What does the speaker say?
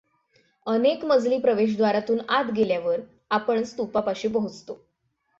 अनेकमजली प्रवेशद्वारातून आत गेल्यावर आपण स्तूपापाशी पोचतो.